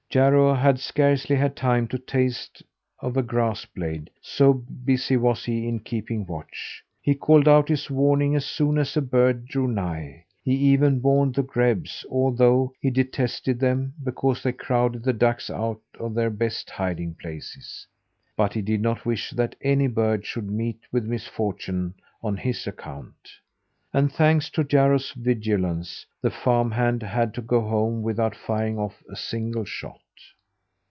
Jarro had scarcely had time to taste of a grass blade, so busy was he in keeping watch. He called out his warning as soon as a bird drew nigh. He even warned the grebes, although he detested them because they crowded the ducks out of their best hiding places. But he did not wish that any bird should meet with misfortune on his account. And, thanks to Jarro's vigilance, the farm hand had to go home without firing off a single shot.